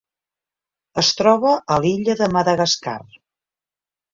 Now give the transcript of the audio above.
Es troba a l'illa de Madagascar.